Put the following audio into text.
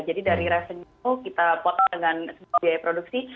jadi dari resenyu kita pot dengan sebuah biaya produksi